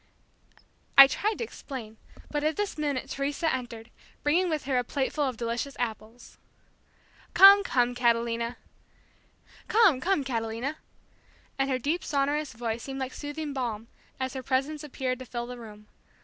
I tried to explain, but at this minute Teresa entered, bringing with her a plateful of delicious apples. "Come, come, Catalina!" and her deep, sonorous voice seemed like soothing balm, as her presence appeared to fill the room.